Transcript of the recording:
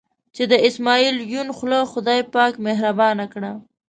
چې د اسمعیل یون خوله خدای پاک مهربانه کړه.